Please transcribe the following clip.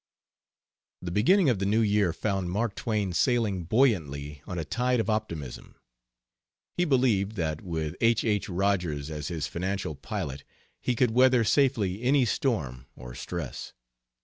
The beginning of the new year found Mark Twain sailing buoyantly on a tide of optimism. He believed that with H. H. Rogers as his financial pilot he could weather safely any storm or stress.